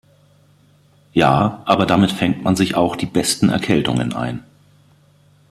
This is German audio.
Ja, aber damit fängt man sich auch die besten Erkältungen ein.